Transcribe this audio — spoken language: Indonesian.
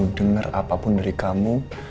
gak mau denger apapun dari kamu